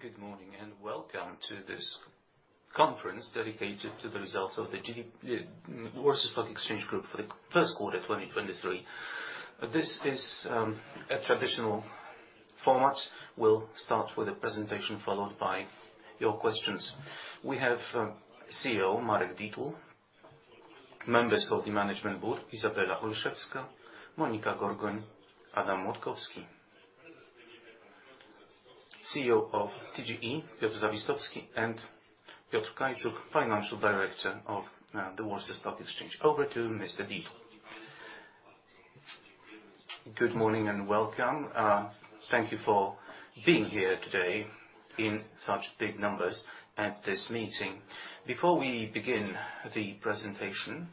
Good morning and welcome to this conference dedicated to the results of the Warsaw Stock Exchange Group for the first quarter 2023. This is a traditional format. We'll start with a presentation followed by your questions. We have CEO Marek Dietl. Members of the Management Board Izabela Olszewska, Monika Kurko, Adam Młodkowski. CEO of TGE Piotr Zawistowski and Financial Director of the Warsaw Stock Exchange Piotr Kajczuk. Over to Mr. Dietl. Good morning and welcome. Thank you for being here today in such big numbers at this meeting. Before we begin the presentation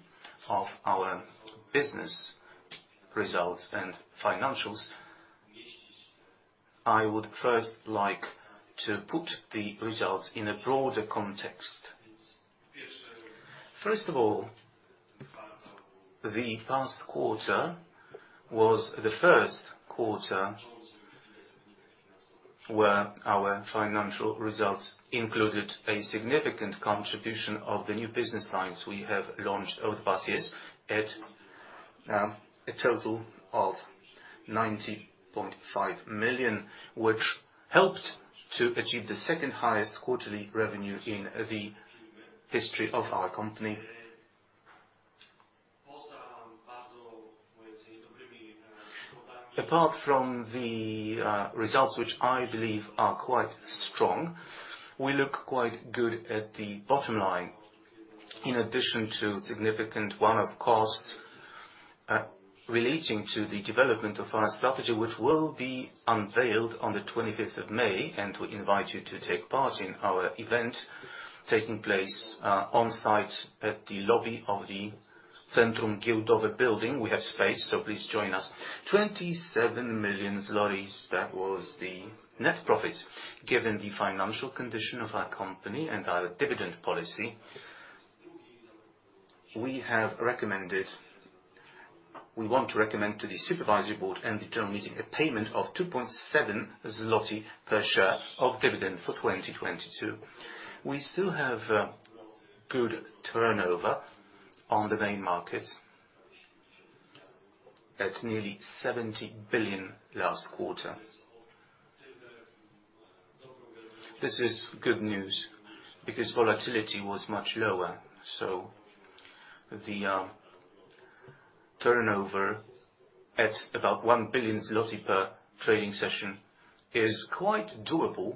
of our business results and financials, I would first like to put the results in a broader context. The past quarter was the first quarter where our financial results included a significant contribution of the new business lines we have launched over the past years at a total of 90.5 million, which helped to achieve the second highest quarterly revenue in the history of our company. The results, which I believe are quite strong, we look quite good at the bottom line. In addition to significant one-off costs relating to the development of our strategy, which will be unveiled on the 25th of May, we invite you to take part in our event taking place on-site at the lobby of the Centrum Giełdowe building. We have space. Please join us. 27 million, that was the net profit. Given the financial condition of our company and our dividend policy, we have recommended... We want to recommend to the supervisory board and the general meeting a payment of 2.7 zloty per share of dividend for 2022. We still have good turnover on the main market at nearly 70 billion last quarter. This is good news because volatility was much lower, so the turnover at about 1 billion zloty per trading session is quite doable,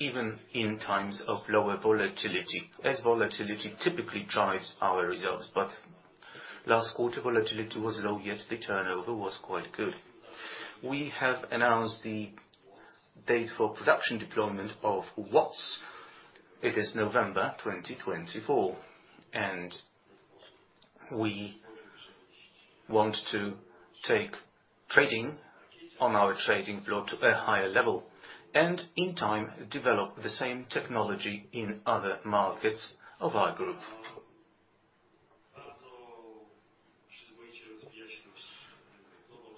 even in times of lower volatility, as volatility typically drives our results. Last quarter, volatility was low, yet the turnover was quite good. We have announced the date for production deployment of WATS. It is November 2024. We want to take trading on our trading floor to a higher level and, in time, develop the same technology in other markets of our group.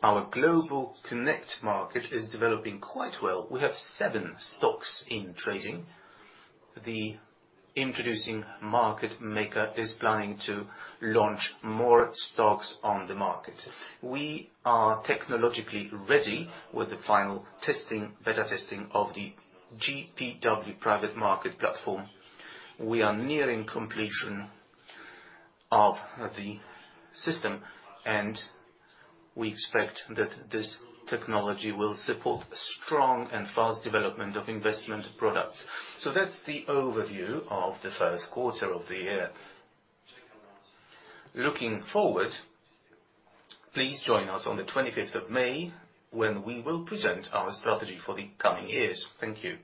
Our GlobalConnect market is developing quite well. We have seven stocks in trading. The introducing market maker is planning to launch more stocks on the market. We are technologically ready with the final testing, beta testing of the GPW Private Market platform. We are nearing completion of the system. We expect that this technology will support strong and fast development of investment products. That's the overview of the first quarter of the year. Looking forward, please join us on the 25th of May when we will present our strategy for the coming years. Thank you.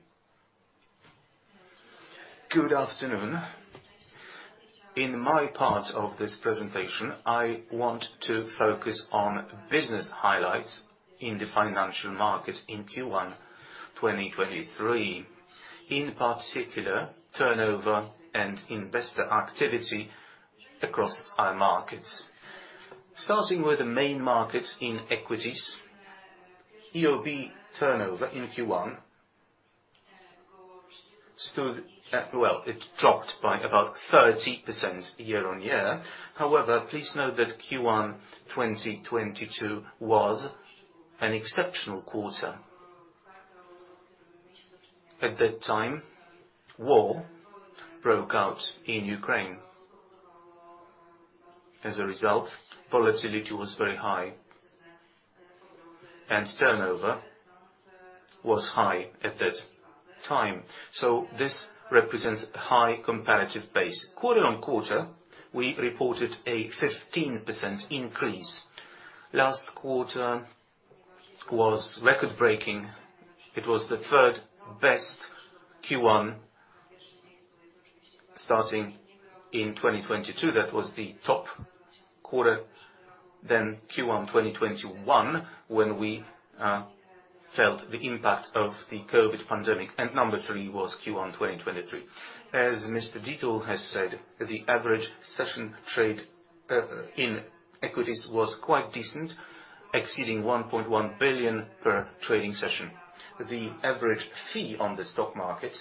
Good afternoon. In my part of this presentation, I want to focus on business highlights in the financial market in Q1 2023, in particular, turnover and investor activity across our markets. Starting with the main market in equities, EOB turnover in Q1 stood at. Well, it dropped by about 30% year-on-year. However, please note that Q1 2022 was an exceptional quarter. At that time, war broke out in Ukraine. As a result, volatility was very high and turnover was high at that time, so this represents high comparative base. Quarter-on-quarter, we reported a 15% increase. Last quarter was record-breaking. It was the third best Q1 starting in 2022. That was the top quarter. Q1 2021, when we felt the impact of the COVID pandemic, and number three was Q1 2023. As Mr Dietl has said, the average session trade in equities was quite decent, exceeding 1.1 billion per trading session. The average fee on the stock market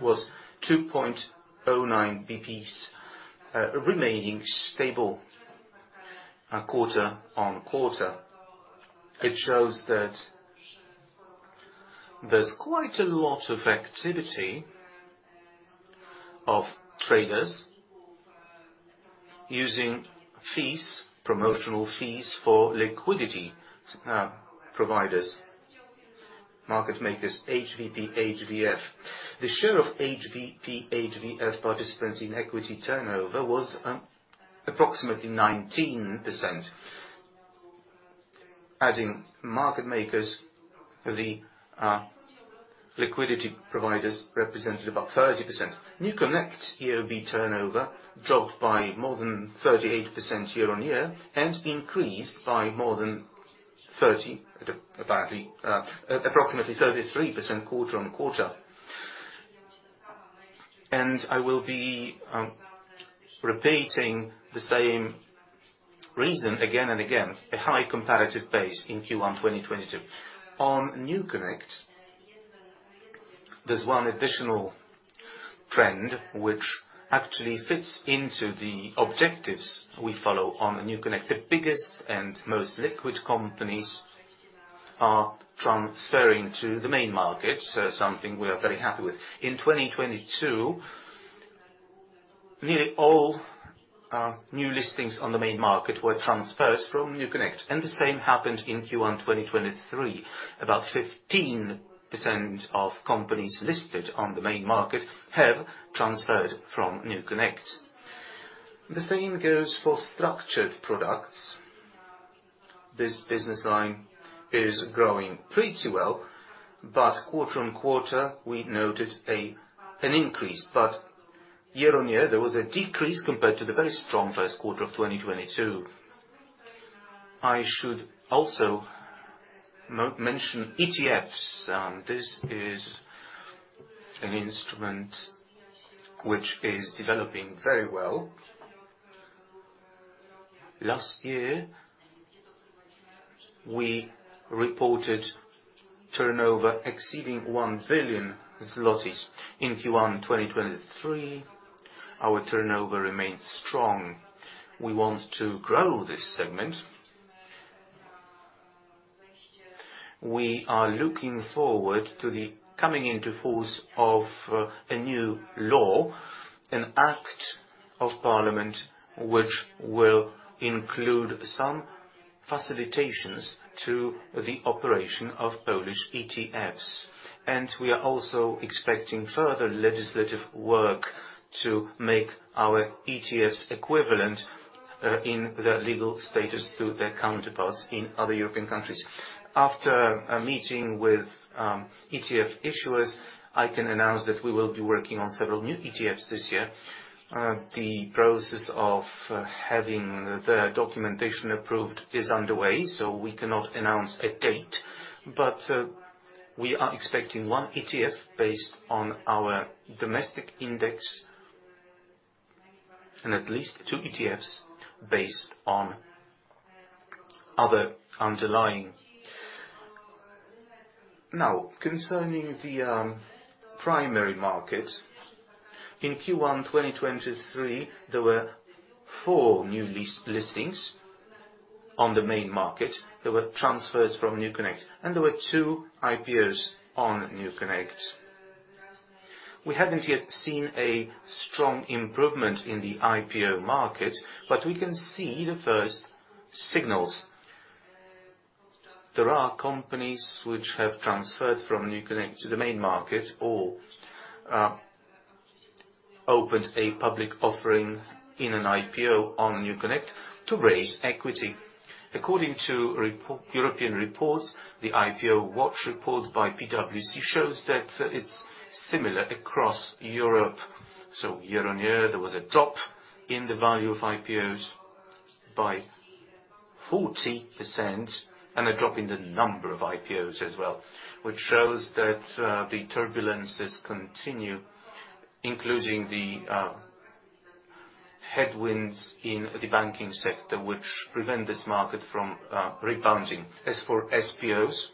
was 2.09 bps, remaining stable quarter-on-quarter. It shows that there's quite a lot of activity of traders using fees, promotional fees for liquidity providers. Market makers, HVP, HVF. The share of HVP, HVF participants in equity turnover was approximately 19%. Adding market makers, the liquidity providers represented about 30%. NewConnect EOB turnover dropped by more than 38% year-on-year, and increased by more than approximately 33% quarter-on-quarter. I will be repeating the same reason again and again, a high comparative base in Q1 2022. On NewConnect, there's one additional trend which actually fits into the objectives we follow on NewConnect. The biggest and most liquid companies are transferring to the main market, so something we are very happy with. In 2022, nearly all new listings on the main market were transfers from NewConnect, and the same happened in Q1 2023. About 15% of companies listed on the main market have transferred from NewConnect. The same goes for structured products. This business line is growing pretty well, but quarter-on-quarter we noted an increase. Year-on-year, there was a decrease compared to the very strong first quarter of 2022. I should also mention ETFs. This is an instrument which is developing very well. Last year, we reported turnover exceeding 1 billion zlotys. In Q1 2023, our turnover remains strong. We want to grow this segment. We are looking forward to the coming into force of a new law, an act of parliament, which will include some facilitations to the operation of Polish ETFs. We are also expecting further legislative work to make our ETFs equivalent in their legal status to their counterparts in other European countries. After a meeting with ETF issuers, I can announce that we will be working on several new ETFs this year. The process of having the documentation approved is underway, so we cannot announce a date. We are expecting 1 ETF based on our domestic index and at least two ETFs based on other underlying. Concerning the primary market. In Q1 2023, there were four new list-listings on the main market. There were transfers from NewConnect, and there were two IPOs on NewConnect. We haven't yet seen a strong improvement in the IPO market, but we can see the first signals. There are companies which have transferred from NewConnect to the main market or opened a public offering in an IPO on NewConnect to raise equity. According to European reports, the IPO watch report by PwC shows that it's similar across Europe. Year-on-year, there was a drop in the value of IPOs by 40% and a drop in the number of IPOs as well, which shows that the turbulences continue, including the headwinds in the banking sector, which prevent this market from rebounding. As for SPOs,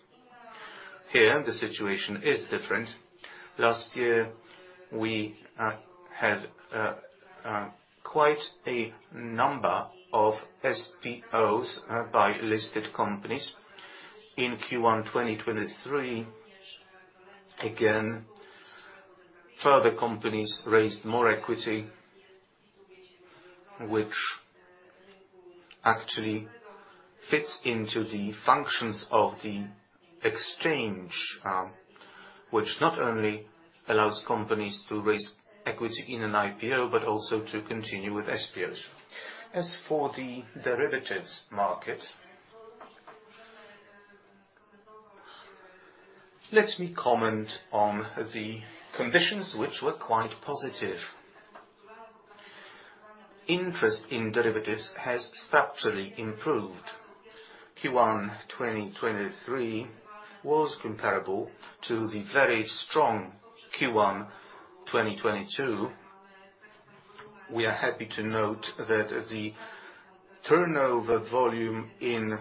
here the situation is different. Last year, we had quite a number of SPOs by listed companies. In Q1 2023, again, further companies raised more equity, which actually fits into the functions of the exchange, which not only allows companies to raise equity in an IPO, but also to continue with SPOs. As for the derivatives market, let me comment on the conditions which were quite positive. Interest in derivatives has structurally improved. Q1 2023 was comparable to the very strong Q1 2022. We are happy to note that the turnover volume in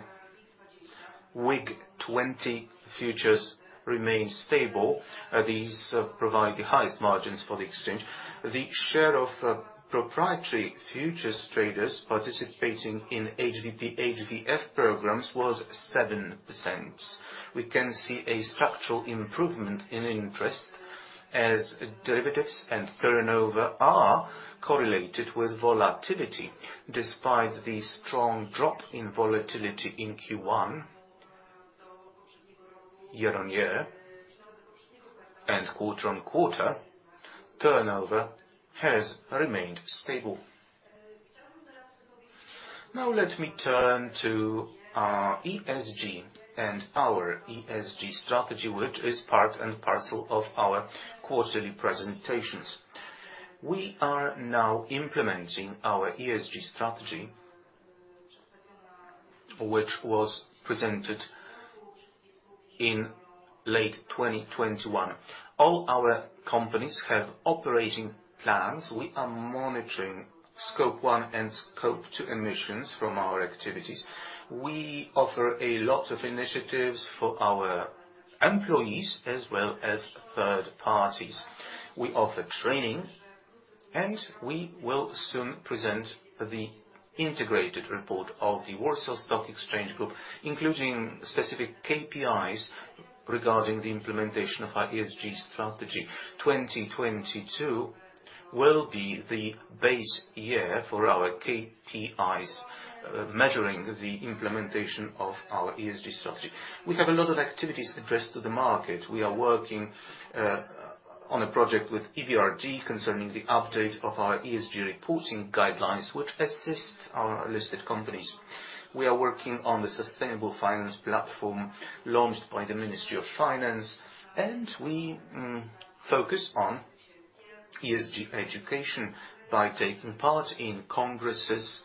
WIG20 futures remained stable. These provide the highest margins for the exchange. The share of proprietary futures traders participating in HVP, HVF programs was 7%. We can see a structural improvement in interest as derivatives and turnover are correlated with volatility. Despite the strong drop in volatility in Q1 year-on-year and quarter-on-quarter, turnover has remained stable. Let me turn to our ESG and our ESG strategy, which is part and parcel of our quarterly presentations. We are now implementing our ESG strategy, which was presented in late 2021. All our companies have operating plans. We are monitoring Scope 1 and Scope 2 emissions from our activities. We offer a lot of initiatives for our employees as well as third parties. We offer training, we will soon present the integrated report of the Warsaw Stock Exchange Group, including specific KPIs regarding the implementation of our ESG strategy. 2022 will be the base year for our KPIs, measuring the implementation of our ESG strategy. We have a lot of activities addressed to the market. We are working on a project with EBRD concerning the update of our ESG reporting guidelines, which assist our listed companies. We are working on the sustainable finance platform launched by the Ministry of Finance, we focus on ESG education by taking part in congresses.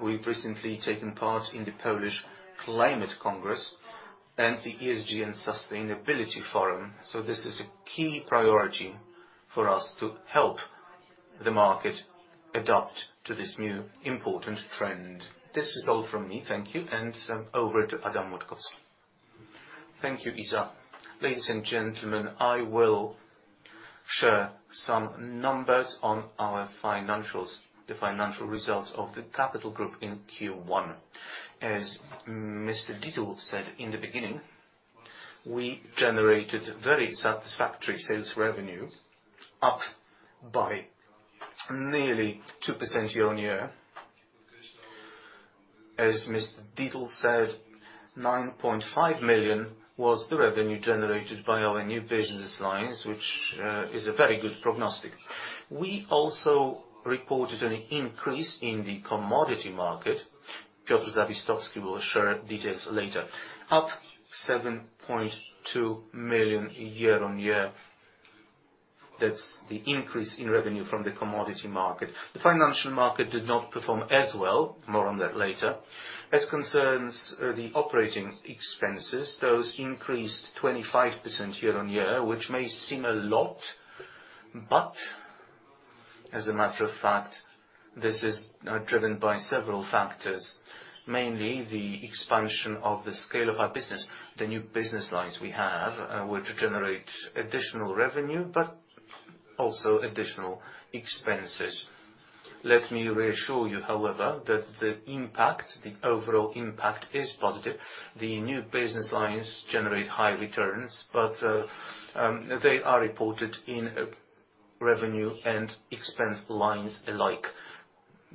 We've recently taken part in the Polish Climate Congress and the ESG and Sustainability Forum. This is a key priority for us to help the market adapt to this new important trend. This is all from me. Thank you. Over to Adam Młodkowski. Thank you, Isa. Ladies and gentlemen, I will share some numbers on our financials, the financial results of the Capital Group in Q1. As Mr Dietl said in the beginning, we generated very satisfactory sales revenue, up by nearly 2% year-on-year. As Mr Dietl said, 9.5 million was the revenue generated by our new business lines, which is a very good prognostic. We also reported an increase in the commodity market. Piotr Zawistowski will share details later. Up 7.2 million year-on-year, that's the increase in revenue from the commodity market. The financial market did not perform as well. More on that later. As concerns the operating expenses, those increased 25% year-on-year, which may seem a lot, but as a matter of fact, this is driven by several factors, mainly the expansion of the scale of our business, the new business lines we have, which generate additional revenue, but also additional expenses. Let me reassure you, however, that the impact, the overall impact is positive. The new business lines generate high returns, but they are reported in revenue and expense lines alike.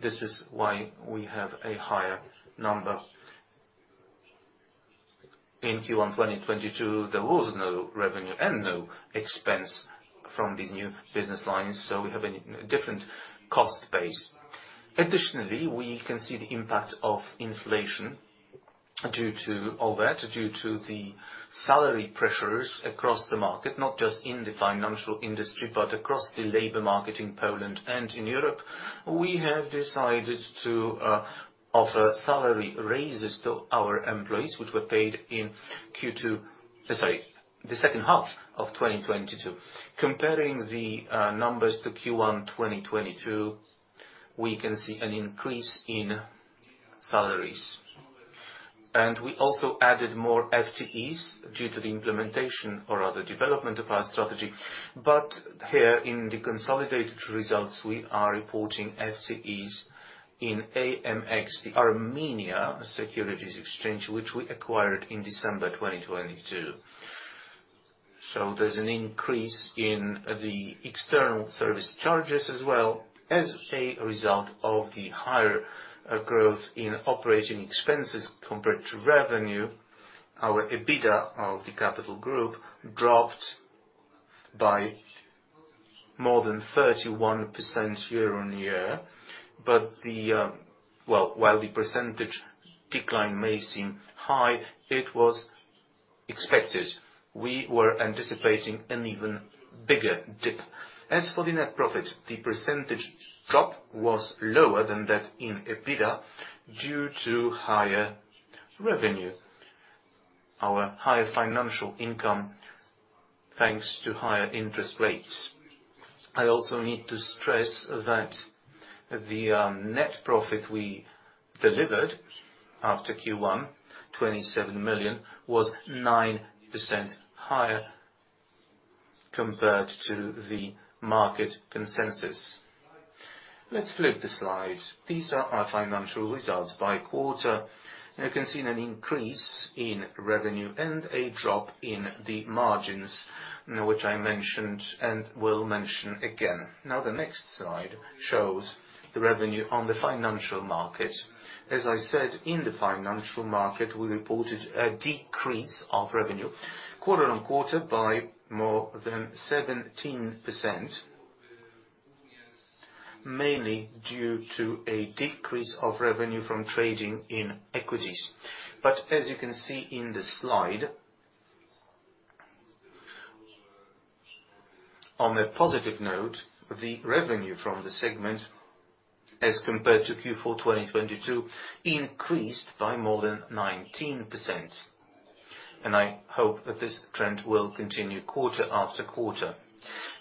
This is why we have a higher number. In Q1 2022, there was no revenue and no expense from these new business lines, so we have a different cost base. Additionally, we can see the impact of inflation due to all that, due to the salary pressures across the market, not just in the financial industry, but across the labor market in Poland and in Europe. We have decided to offer salary raises to our employees, which were paid in the second half of 2022. Comparing the numbers to Q1 2022, we can see an increase in salaries. We also added more FTEs due to the implementation or rather development of our strategy. Here in the consolidated results, we are reporting FTEs in AMX, the Armenia Securities Exchange, which we acquired in December 2022. There's an increase in the external service charges as well as a result of the higher growth in operating expenses compared to revenue. Our EBITDA of the Capital Group dropped by more than 31% year-on-year. The, well, while the percentage decline may seem high, we were anticipating an even bigger dip. As for the net profit, the percentage drop was lower than that in EBITDA due to higher revenue. Our higher financial income, thanks to higher interest rates. I also need to stress that the net profit we delivered after Q1, 27 million, was 9% higher compared to the market consensus. Let's flip the slide. These are our financial results by quarter. You can see an increase in revenue and a drop in the margins, you know, which I mentioned and will mention again. The next slide shows the revenue on the financial market. As I said, in the financial market, we reported a decrease of revenue quarter-over-quarter by more than 17%. Mainly due to a decrease of revenue from trading in equities. As you can see in the slide, on a positive note, the revenue from the segment as compared to Q4, 2022 increased by more than 19%. I hope that this trend will continue quarter-over-quarter.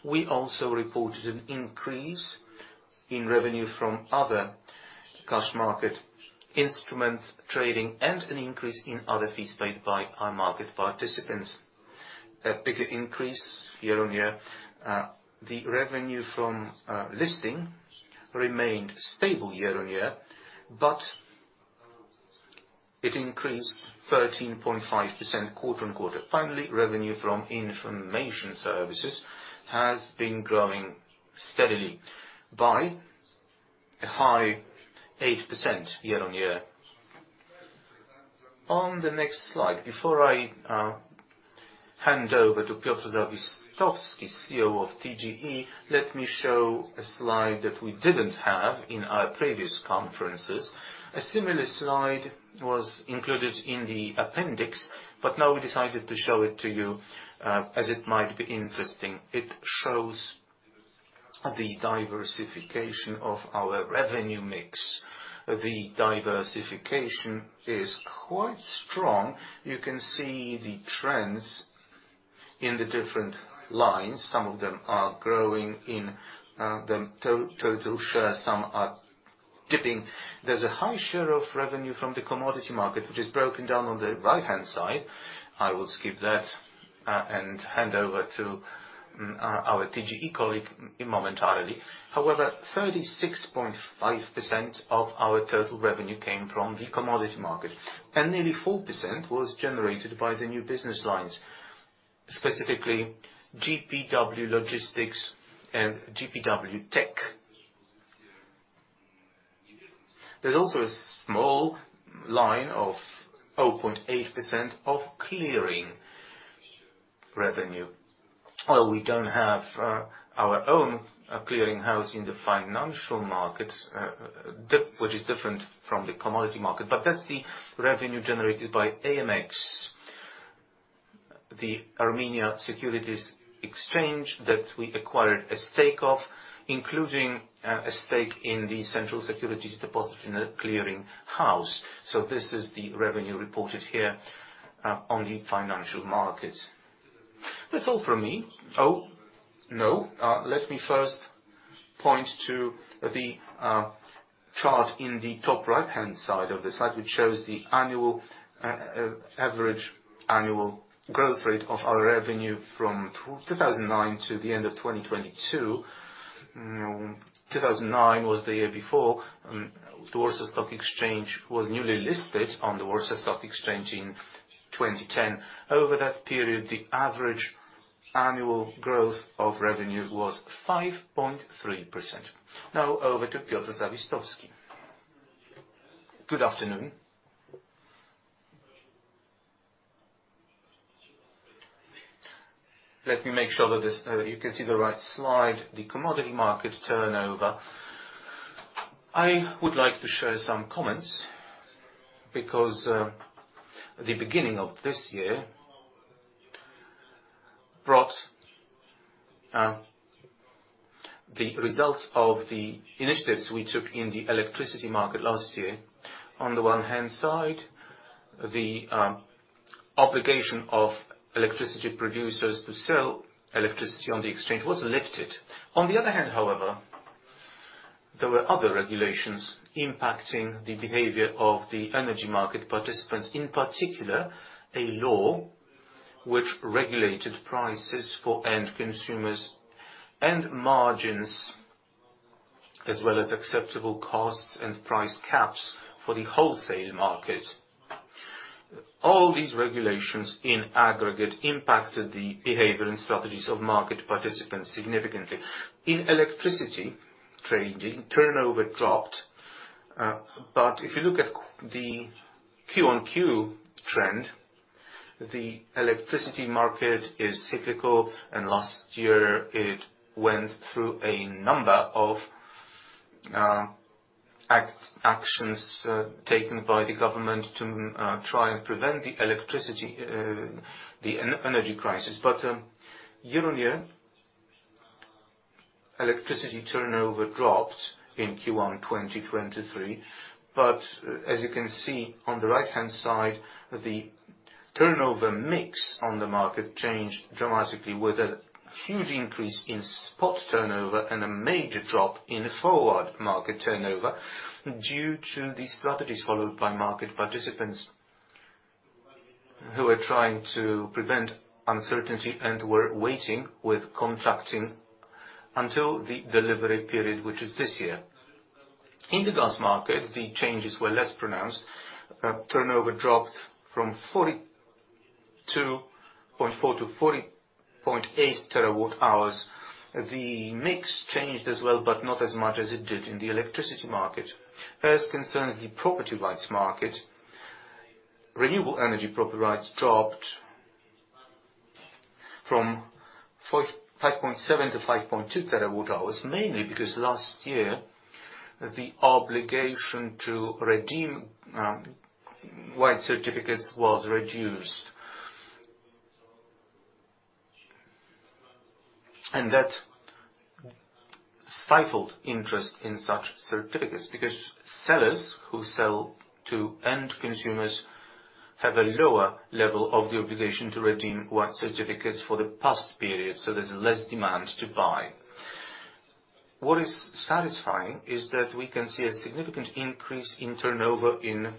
We also reported an increase in revenue from other cash market instruments trading and an increase in other fees paid by our market participants. A bigger increase year-over-year. The revenue from listing remained stable year-over-year, but it increased 13.5% quarter-over-quarter. Finally, revenue from information services has been growing steadily by a high 8% year-over-year. On the next slide, before I hand over to Piotr Zawistowski, CEO of TGE, let me show a slide that we didn't have in our previous conferences. A similar slide was included in the appendix. Now we decided to show it to you as it might be interesting. It shows the diversification of our revenue mix. The diversification is quite strong. You can see the trends in the different lines. Some of them are growing in the total share, some are dipping. There's a high share of revenue from the commodity market, which is broken down on the right-hand side. I will skip that and hand over to our TGE colleague momentarily. 36.5% of our total revenue came from the commodity market, and nearly 4% was generated by the new business lines, specifically GPW Logistics and GPW Tech. There's also a small line of 0.8% of clearing revenue. Well, we don't have our own clearing house in the financial markets, which is different from the commodity market, that's the revenue generated by AMX, the Armenia Securities Exchange that we acquired a stake of, including a stake in the Central Securities Depository in the Clearing House. This is the revenue reported here on the financial market. That's all from me. No. Let me first point to the chart in the top right-hand side of the slide, which shows the annual average annual growth rate of our revenue from 2009 to the end of 2022. 2009 was the year before the Warsaw Stock Exchange was newly listed on the Warsaw Stock Exchange in 2010. Over that period, the average annual growth of revenue was 5.3%. Now over to Piotr Zawistowski. Good afternoon. Let me make sure that this, you can see the right slide, the commodity market turnover. I would like to share some comments because the beginning of this year brought the results of the initiatives we took in the electricity market last year. On the one hand side, the obligation of electricity producers to sell electricity on the exchange was lifted. On the other hand, however, there were other regulations impacting the behavior of the energy market participants, in particular, a law which regulated prices for end consumers and margins, as well as acceptable costs and price caps for the wholesale market. All these regulations in aggregate impacted the behavior and strategies of market participants significantly. In electricity trading, turnover dropped. If you look at the Q-on-Q trend, the electricity market is cyclical, and last year it went through a number of actions taken by the government to try and prevent the electricity the energy crisis. Year-on-year, electricity turnover dropped in Q1 2023. As you can see on the right-hand side, the turnover mix on the market changed dramatically with a huge increase in spot turnover and a major drop in forward market turnover due to the strategies followed by market participants who are trying to prevent uncertainty and were waiting with contracting until the delivery period, which is this year. In the gas market, the changes were less pronounced. Turnover dropped from 42.4-40.8 terawatt-hours. The mix changed as well, but not as much as it did in the electricity market. As concerns the property rights market, renewable energy property rights dropped from 5.7-5.2 terawatt-hours, mainly because last year, the obligation to redeem white certificates was reduced. That stifled interest in such certificates because sellers who sell to end consumers have a lower level of the obligation to redeem white certificates for the past period, so there's less demand to buy. What is satisfying is that we can see a significant increase in turnover in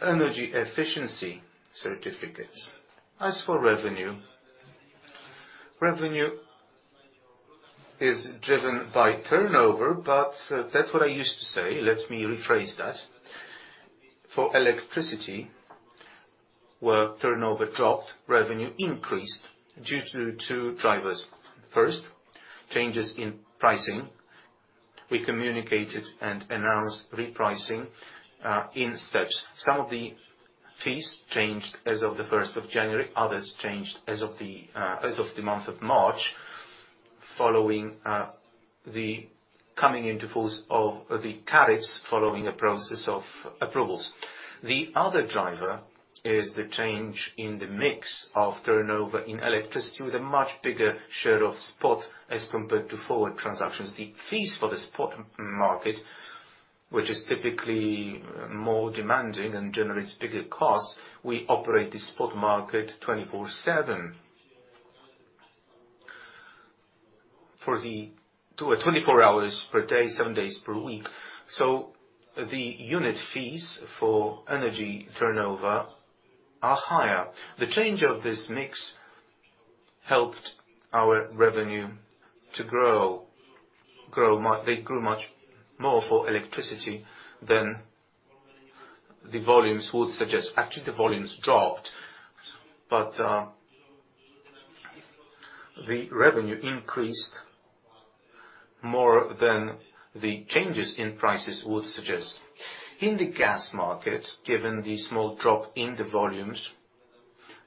energy efficiency certificates. As for revenue is driven by turnover, but that's what I used to say, let me rephrase that. For electricity, where turnover dropped, revenue increased due to two drivers. First, changes in pricing. We communicated and announced repricing in steps. Some of the fees changed as of the 1st of January, others changed as of the month of March, following the coming into force of the tariffs following a process of approvals. The other driver is the change in the mix of turnover in electricity with a much bigger share of spot as compared to forward transactions. The fees for the spot market, which is typically more demanding and generates bigger costs, we operate the spot market 24/7. To a 24 hours per day, seven days per week. The unit fees for energy turnover are higher. The change of this mix helped our revenue to grow much. They grew much more for electricity than the volumes would suggest. Actually, the volumes dropped, the revenue increased more than the changes in prices would suggest. In the gas market, given the small drop in the volumes,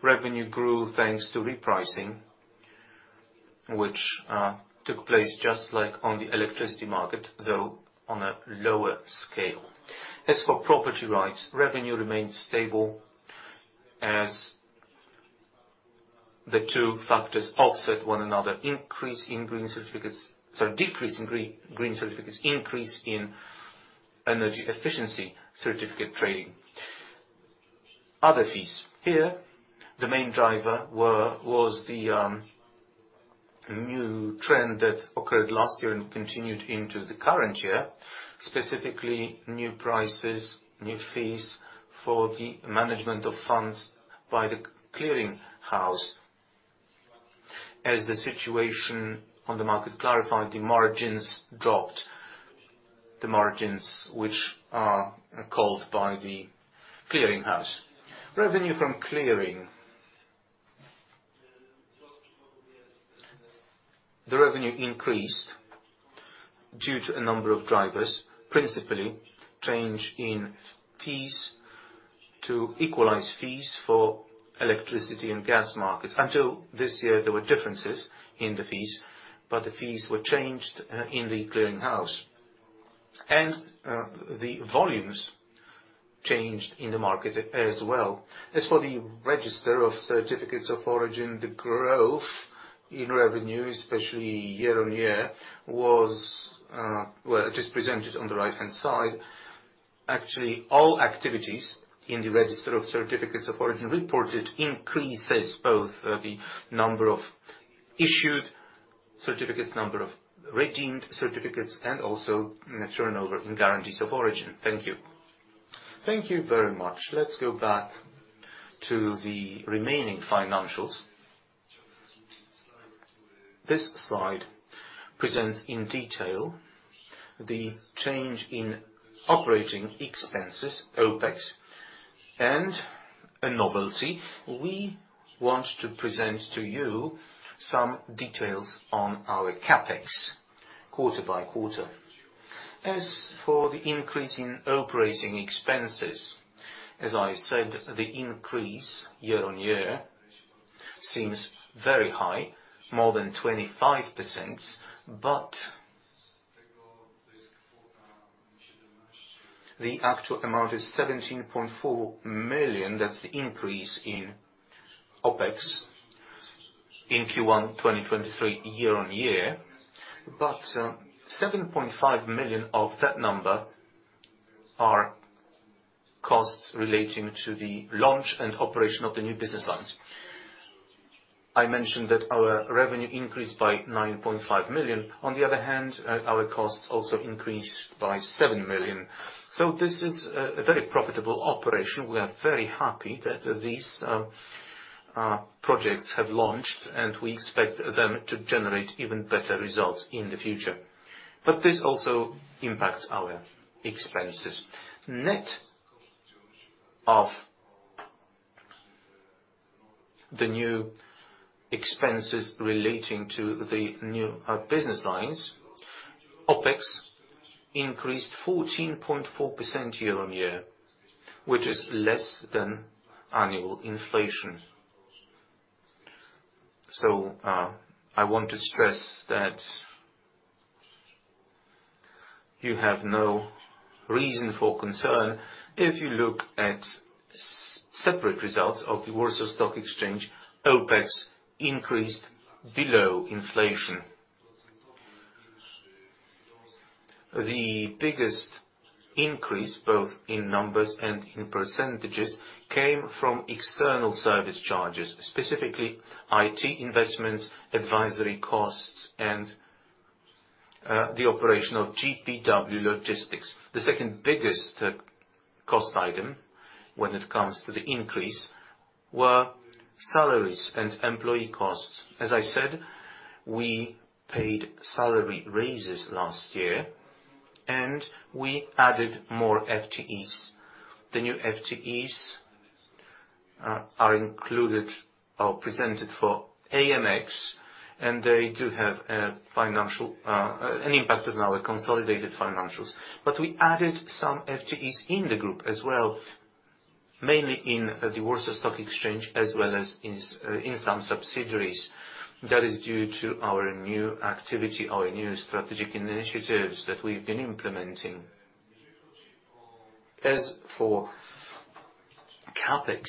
revenue grew thanks to repricing, which took place just like on the electricity market, though on a lower scale. As for property rights, revenue remains stable as the two factors offset one another. Decrease in green certificates, increase in energy efficiency certificate trading. Other fees. Here, the main driver was the new trend that occurred last year and continued into the current year, specifically new prices, new fees for the management of funds by the clearing house. As the situation on the market clarified, the margins dropped. The margins which are called by the clearing house. Revenue from clearing. The revenue increased due to a number of drivers, principally change in fees to equalize fees for electricity and gas markets. Until this year, there were differences in the fees, but the fees were changed in the clearing house. The volumes changed in the market as well. As for the Register of Certificates of Origin, the growth in revenue, especially year-on-year, was, well, it is presented on the right-hand side. Actually, all activities in the Register of Certificates of Origin reported increases both, the number of issued certificates, number of redeemed certificates, and also in the turnover in guarantees of origin. Thank you. Thank you very much. Let's go back to the remaining financials. This slide presents in detail the change in operating expenses, OpEx, and a novelty. We want to present to you some details on our CapEx quarter by quarter. As for the increase in operating expenses, as I said, the increase year-on-year seems very high, more than 25%, the actual amount is 17.4 million. That's the increase in OpEx in Q1 2023 year-on-year. 7.5 million of that number are costs relating to the launch and operation of the new business lines. I mentioned that our revenue increased by 9.5 million. On the other hand, our costs also increased by 7 million. This is a very profitable operation. We are very happy that these projects have launched, and we expect them to generate even better results in the future. This also impacts our expenses. Net of the new expenses relating to the new business lines, OpEx increased 14.4% year-on-year, which is less than annual inflation. I want to stress that you have no reason for concern. If you look at separate results of the Warsaw Stock Exchange, OpEx increased below inflation. The biggest increase, both in numbers and in percentages, came from external service charges, specifically IT investments, advisory costs, and the operation of GPW Logistics. The second-biggest cost item when it comes to the increase were salaries and employee costs. As I said, we paid salary raises last year and we added more FTEs. The new FTEs are included or presented for AMX and they do have an impact on our consolidated financials. We added some FTEs in the group as well, mainly in the Warsaw Stock Exchange as well as in some subsidiaries. That is due to our new activity, our new strategic initiatives that we've been implementing. As for CapEx,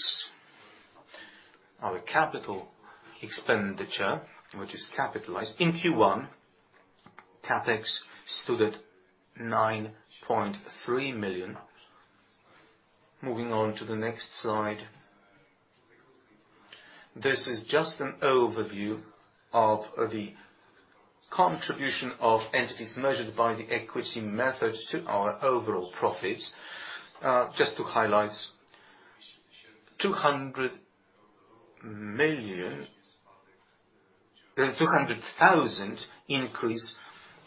our capital expenditure, which is capitalized in Q1, CapEx stood at 9.3 million. Moving on to the next slide. This is just an overview of the contribution of entities measured by the equity method to our overall profit. Just to highlight, 200,000 increase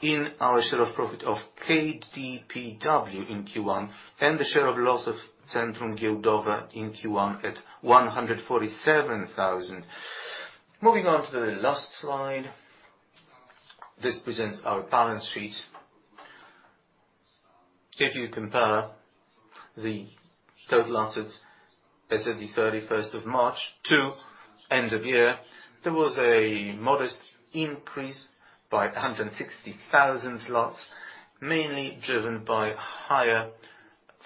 in our share of profit of KDPW in Q1, and the share of loss of Centrum Giełdowe in Q1 at 147,000. Moving on to the last slide. This presents our balance sheet. If you compare the total assets as of the 31st of March to end of year, there was a modest increase by 160,000 zlotys, mainly driven by higher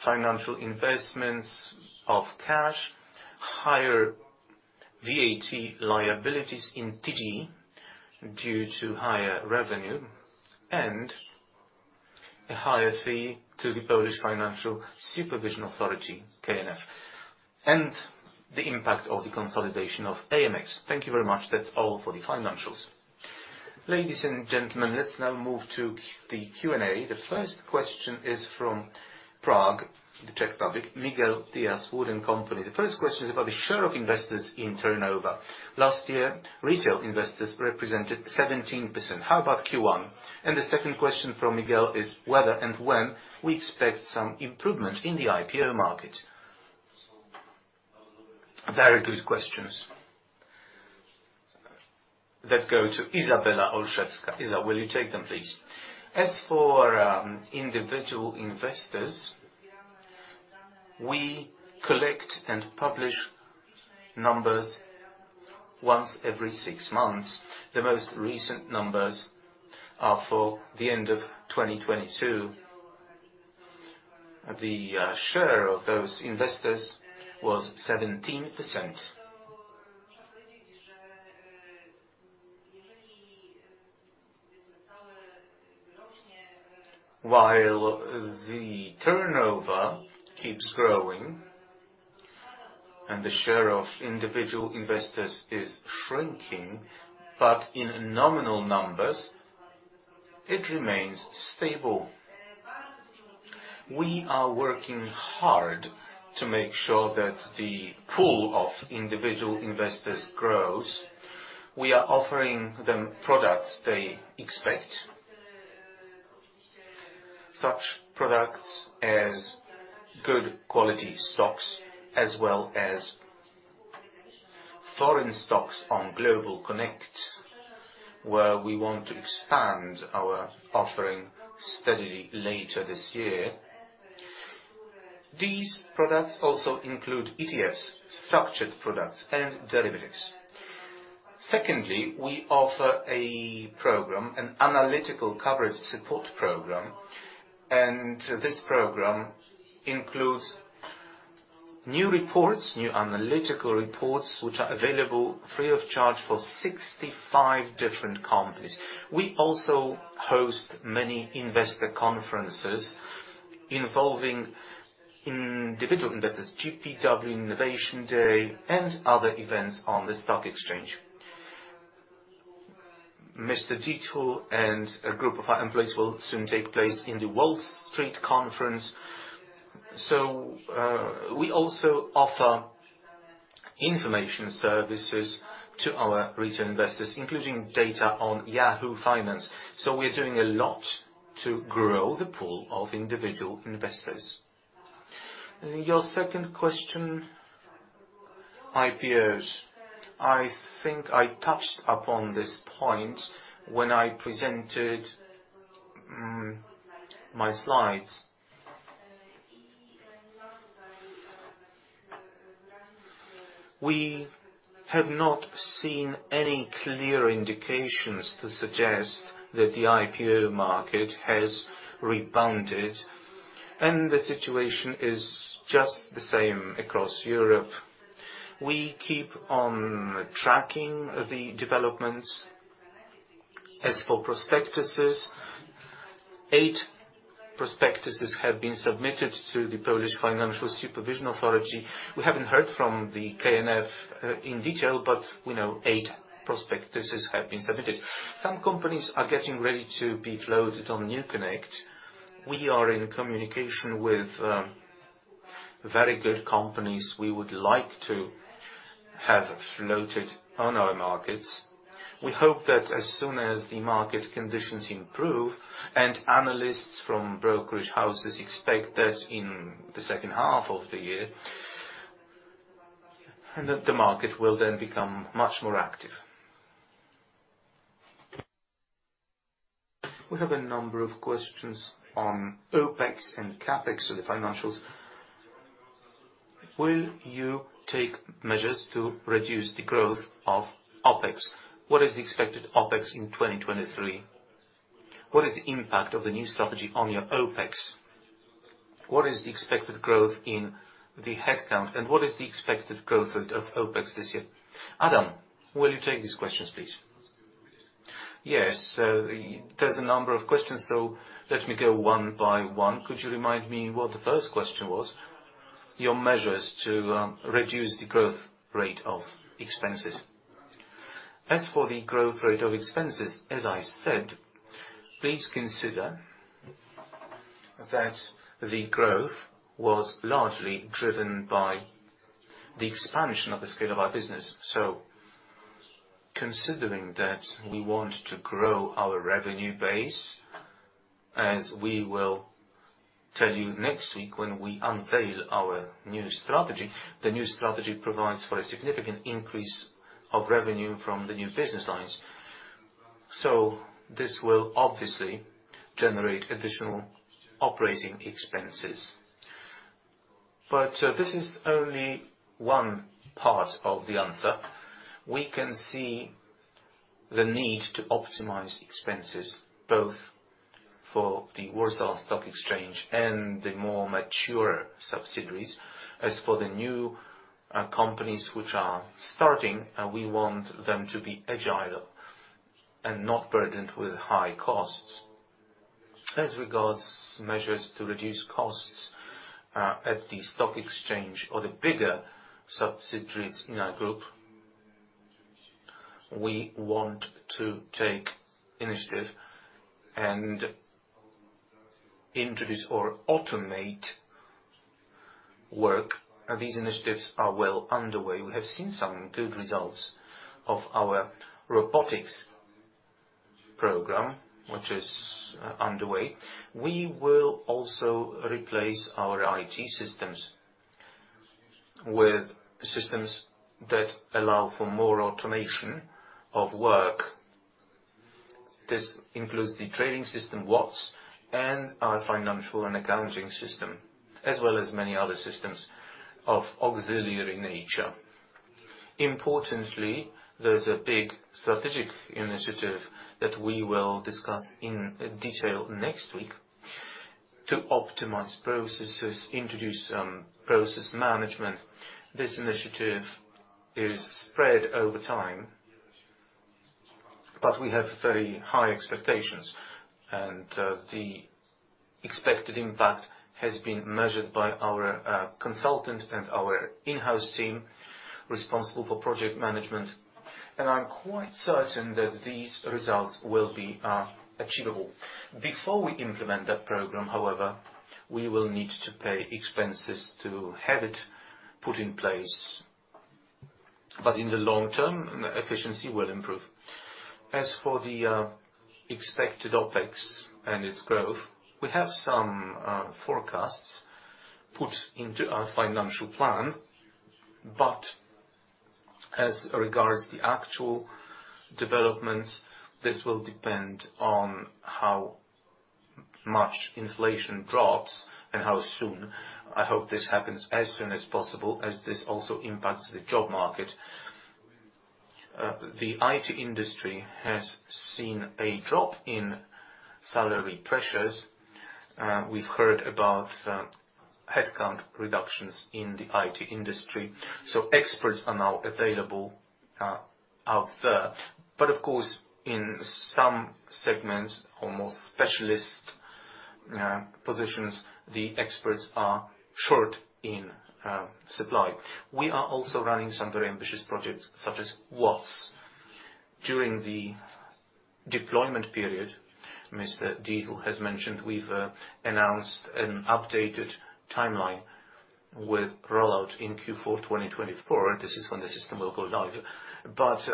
financial investments of cash, higher VAT liabilities in TGE due to higher revenue and a higher fee to the Polish Financial Supervision Authority, KNF, and the impact of the consolidation of AMX. Thank you very much. That's all for the financials. Ladies and gentlemen, let's now move to the Q&A. The first question is from Prague, the Czech Republic, Miguel Diaz, WOOD & Company. The first question is about the share of investors in turnover. Last year, retail investors represented 17%. How about Q1? The second question from Miguel is whether and when we expect some improvement in the IPO market. Very good questions that go to Izabela Olszewska. Isa, will you take them, please? As for individual investors, we collect and publish numbers once every six months. The most recent numbers are for the end of 2022. The share of those investors was 17%. The turnover keeps growing and the share of individual investors is shrinking, but in nominal numbers, it remains stable. We are working hard to make sure that the pool of individual investors grows. We are offering them products they expect. Such products as good quality stocks as well as foreign stocks on GlobalConnect, where we want to expand our offering steadily later this year. These products also include ETFs, structured products and derivatives. Secondly, we offer a program, an analytical coverage support program, and this program includes new reports, new analytical reports, which are available free of charge for 65 different companies. We also host many investor conferences involving individual investors, GPW Innovation Day, and other events on the stock exchange. Mr Dietl and a group of our employees will soon take place in the Wall Street conference. We also offer information services to our retail investors, including data on Yahoo Finance. We're doing a lot to grow the pool of individual investors. Your second question, IPOs. I think I touched upon this point when I presented my slides. We have not seen any clear indications to suggest that the IPO market has rebounded, and the situation is just the same across Europe. We keep on tracking the developments. As for prospectuses, eight prospectuses have been submitted to the Polish Financial Supervision Authority. We haven't heard from the KNF in detail, but we know 8 prospectuses have been submitted. Some companies are getting ready to be floated on NewConnect. We are in communication with very good companies we would like to have floated on our markets. We hope that as soon as the market conditions improve, analysts from brokerage houses expect that in the second half of the year, and that the market will then become much more active. We have a number of questions on OpEx and CapEx, so the financials. Will you take measures to reduce the growth of OpEx? What is the expected OpEx in 2023? What is the impact of the new strategy on your OpEx? What is the expected growth in the headcount? What is the expected growth rate of OpEx this year? Adam, will you take these questions, please? Yes. There's a number of questions, so let me go one by one. Could you remind me what the first question was? Your measures to reduce the growth rate of expenses. The growth rate of expenses, as I said, please consider that the growth was largely driven by the expansion of the scale of our business. Considering that we want to grow our revenue base, as we will tell you next week when we unveil our new strategy, the new strategy provides for a significant increase of revenue from the new business lines. This will obviously generate additional operating expenses. This is only one part of the answer. We can see the need to optimize expenses both for the Warsaw Stock Exchange and the more mature subsidiaries. The new companies which are starting, we want them to be agile and not burdened with high costs. As regards measures to reduce costs, at the stock exchange or the bigger subsidiaries in our group, we want to take initiative and introduce or automate work. These initiatives are well underway. We have seen some good results of our robotics program, which is underway. We will also replace our IT systems with systems that allow for more automation of work. This includes the trading system, WATS, and our financial and accounting system, as well as many other systems of auxiliary nature. Importantly, there's a big strategic initiative that we will discuss in detail next week to optimize processes, introduce some process management. This initiative is spread over time, but we have very high expectations, and the expected impact has been measured by our consultant and our in-house team responsible for project management, and I'm quite certain that these results will be achievable. Before we implement that program, however, we will need to pay expenses to have it put in place, but in the long term, efficiency will improve. As for the expected OpEx and its growth, we have some forecasts put into our financial plan. As regards the actual developments, this will depend on how much inflation drops and how soon. I hope this happens as soon as possible, as this also impacts the job market. The IT industry has seen a drop in salary pressures. We've heard about headcount reductions in the IT industry, so experts are now available out there. Of course, in some segments, or more specialist positions, the experts are short in supply. We are also running some very ambitious projects, such as WATS. During the deployment period, Mr Dietl has mentioned we've announced an updated timeline with rollout in Q4, 2024. This is when the system will go live.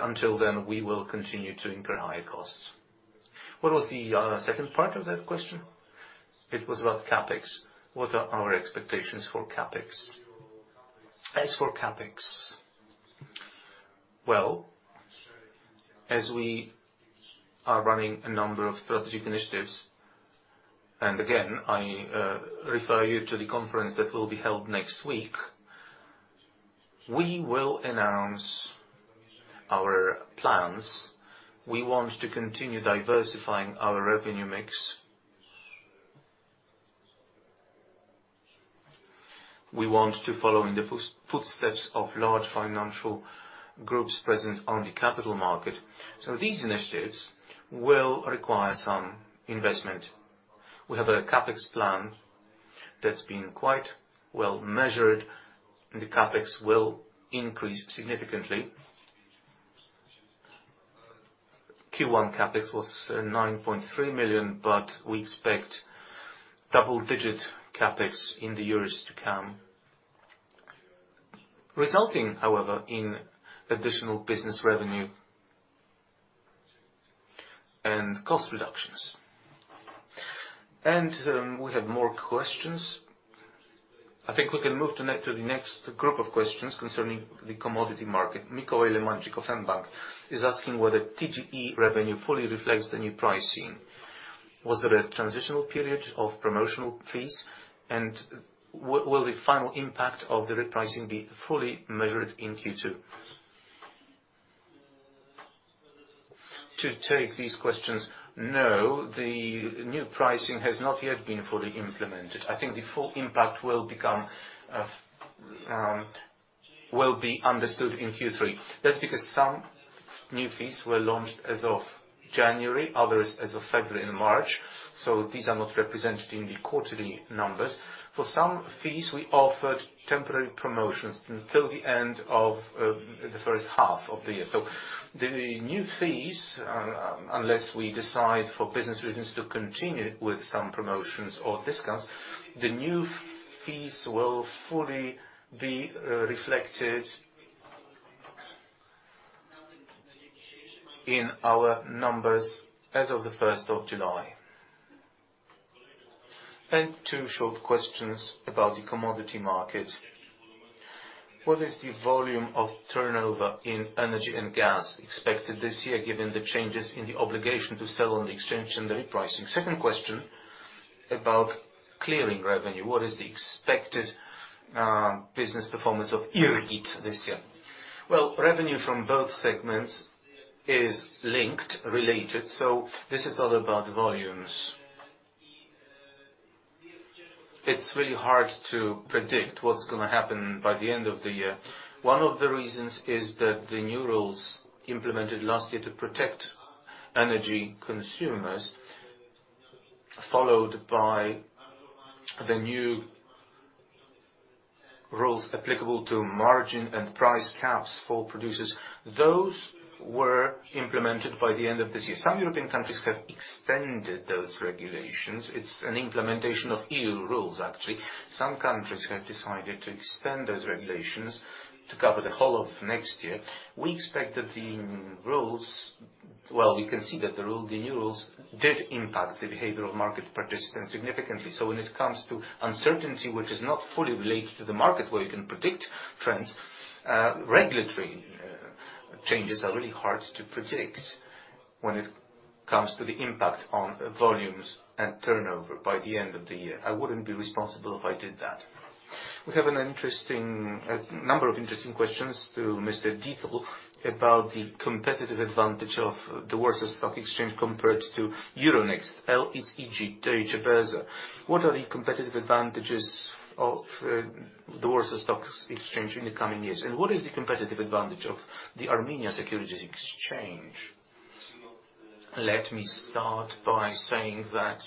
Until then, we will continue to incur high costs. What was the second part of that question? It was about CapEx. What are our expectations for CapEx? As for CapEx, well, as we are running a number of strategic initiatives, and again, I refer you to the conference that will be held next week, we will announce our plans. We want to continue diversifying our revenue mix. We want to follow in the footsteps of large financial groups present on the capital market, these initiatives will require some investment. We have a CapEx plan that's been quite well measured. The CapEx will increase significantly. Q1 CapEx was 9.3 million, but we expect double-digit CapEx in the years to come, resulting, however, in additional business revenue and cost reductions. We have more questions. I think we can move to the next group of questions concerning the commodity market. Mikko Eilenmaji of mBank is asking whether TGE revenue fully reflects the new pricing. Was there a transitional period of promotional fees, and will the final impact of the repricing be fully measured in Q2? To take these questions: No, the new pricing has not yet been fully implemented. I think the full impact will be understood in Q3. That's because some new fees were launched as of January, others as of February and March, so these are not represented in the quarterly numbers. For some fees, we offered temporary promotions until the end of the 1st half of the year. The new fees, unless we decide for business reasons to continue with some promotions or discounts, the new fees will fully be reflected in our numbers as of the 1st of July. Two short questions about the commodity market. What is the volume of turnover in energy and gas expected this year given the changes in the obligation to sell on the exchange and the repricing? Second question about clearing revenue. What is the expected business performance of IRGiT this year? Revenue from both segments is linked, related, so this is all about volumes. It's really hard to predict what's gonna happen by the end of the year. One of the reasons is that the new rules implemented last year to protect energy consumers, followed by the new rules applicable to margin and price caps for producers, those were implemented by the end of this year. Some European countries have extended those regulations. It's an implementation of EU rules, actually. Some countries have decided to extend those regulations to cover the whole of next year. Well, we can see that the new rules did impact the behavior of market participants significantly. When it comes to uncertainty, which is not fully related to the market where you can predict trends, regulatory changes are really hard to predict when it comes to the impact on volumes and turnover by the end of the year. I wouldn't be responsible if I did that. We have an interesting, a number of interesting questions to Mr Dietl about the competitive advantage of the Warsaw Stock Exchange compared to Euronext, LSEG, Deutsche Börse. What are the competitive advantages of the Warsaw Stock Exchange in the coming years, and what is the competitive advantage of the Armenia Securities Exchange? Let me start by saying that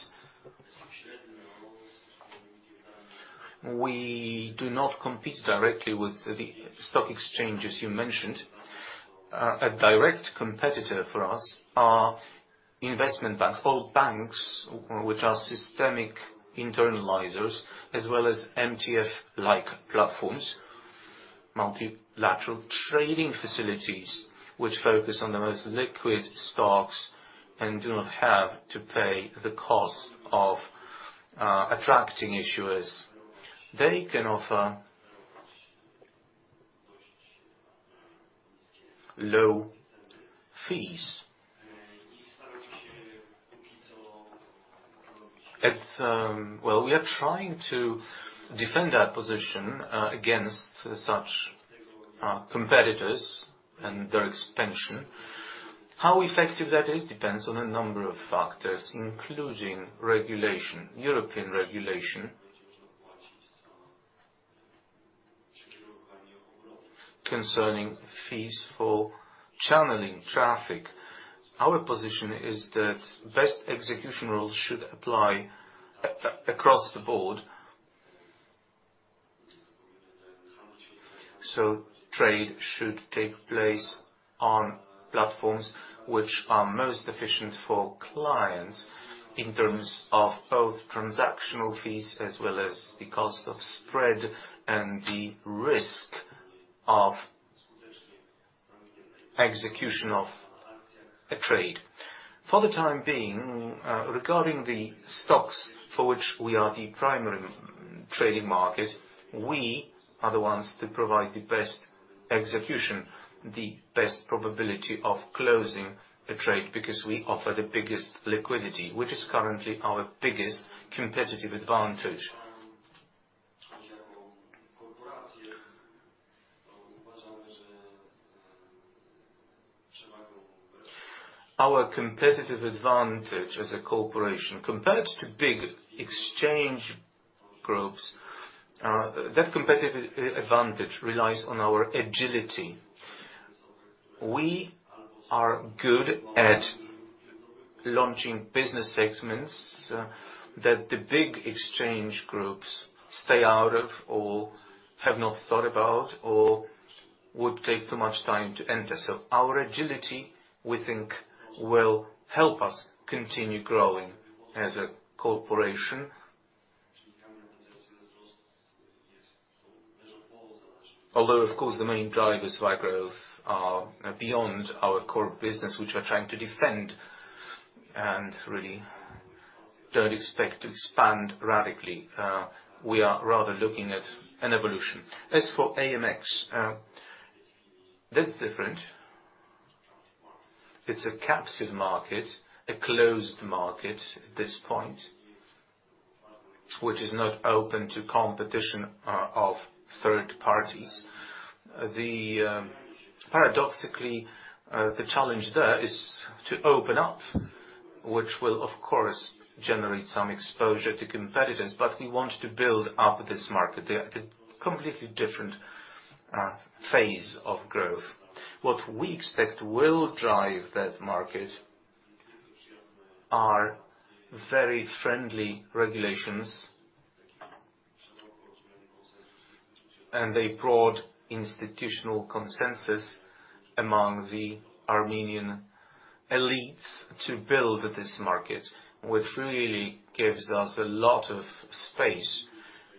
we do not compete directly with the stock exchanges you mentioned. A direct competitor for us are investment banks or banks which are systematic internalisers, as well as MTF-like platforms, multilateral trading facilities which focus on the most liquid stocks. Do not have to pay the cost of attracting issuers. They can offer low fees. Well, we are trying to defend our position against such competitors and their expansion. How effective that is depends on a number of factors, including regulation, European regulation concerning fees for channeling traffic. Our position is that best execution rules should apply across the board. So trade should take place on platforms which are most efficient for clients in terms of both transactional fees as well as the cost of spread and the risk of execution of a trade. For the time being, regarding the stocks for which we are the primary trading market, we are the ones that provide the best execution, the best probability of closing a trade, because we offer the biggest liquidity, which is currently our biggest competitive advantage. Our competitive advantage as a corporation, compared to big exchange groups, that competitive advantage relies on our agility. We are good at launching business segments that the big exchange groups stay out of or have not thought about, or would take too much time to enter. Our agility, we think, will help us continue growing as a corporation. Although, of course, the main drivers of our growth are beyond our core business, which we're trying to defend, and really don't expect to expand radically. We are rather looking at an evolution. As for AMX, that's different. It's a captive market, a closed market at this point, which is not open to competition of third parties. Paradoxically, the challenge there is to open up, which will of course generate some exposure to competitors, but we want to build up this market. They're at a completely different phase of growth. What we expect will drive that market are very friendly regulations and a broad institutional consensus among the Armenian elites to build this market, which really gives us a lot of space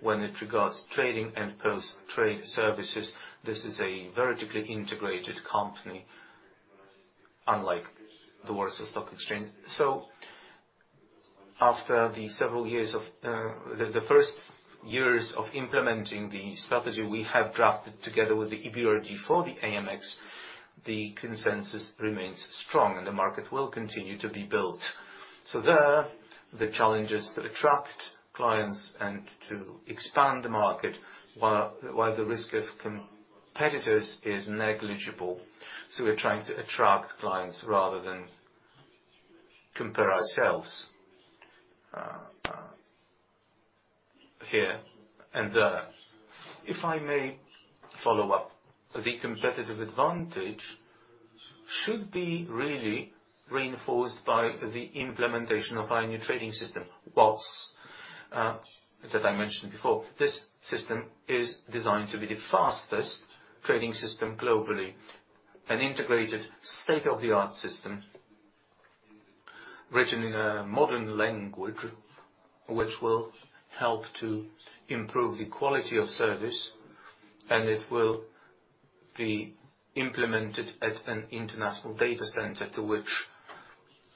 when it regards trading and post-trade services. This is a vertically integrated company, unlike the Warsaw Stock Exchange. After the several years of the first years of implementing the strategy we have drafted together with the EBRD for the AMX, the consensus remains strong, and the market will continue to be built. There, the challenge is to attract clients and to expand the market while the risk of competitors is negligible. We're trying to attract clients rather than compare ourselves here and there. If I may follow up, the competitive advantage should be really reinforced by the implementation of our new trading system, WATS, that I mentioned before. This system is designed to be the fastest trading system globally. An integrated state-of-the-art system written in a modern language which will help to improve the quality of service, it will be implemented at an international data center to which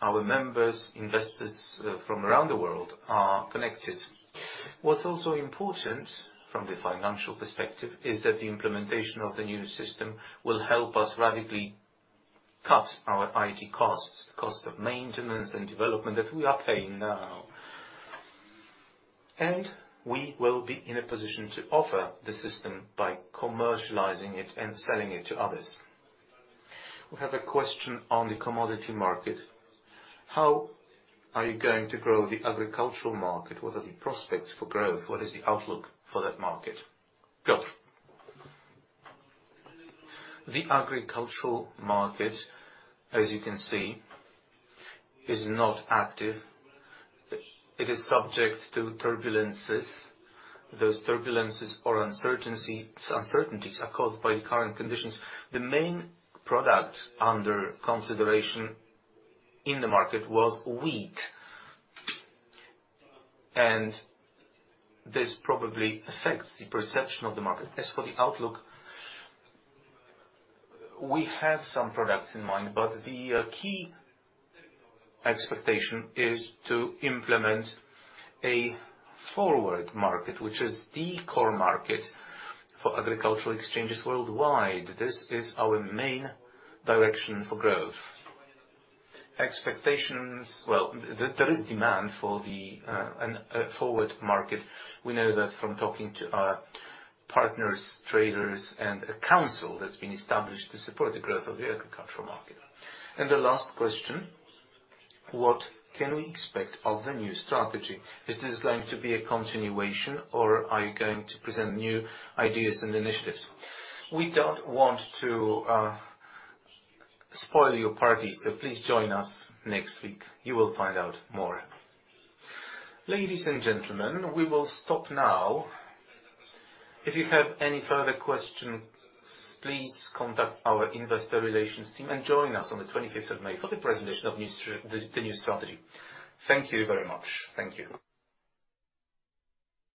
our members, investors from around the world are connected. What's also important from the financial perspective is that the implementation of the new system will help us radically cut our IT costs, the cost of maintenance and development that we are paying now. We will be in a position to offer the system by commercializing it and selling it to others. We have a question on the commodity market. How are you going to grow the agricultural market? What are the prospects for growth? What is the outlook for that market? Piotr. The agricultural market, as you can see, is not active. It is subject to turbulences. Those turbulences or uncertainties are caused by the current conditions. The main product under consideration in the market was wheat. This probably affects the perception of the market. As for the outlook, we have some products in mind, but the key expectation is to implement a forward market, which is the core market for agricultural exchanges worldwide. This is our main direction for growth. Well, there is demand for a forward market. We know that from talking to our partners, traders, and a council that's been established to support the growth of the agricultural market. The last question: What can we expect of the new strategy? Is this going to be a continuation, or are you going to present new ideas and initiatives? We don't want to spoil your party, so please join us next week. You will find out more. Ladies and gentlemen, we will stop now. If you have any further questions, please contact our investor relations team and join us on the twenty-fifth of May for the presentation of the new strategy. Thank you very much. Thank you.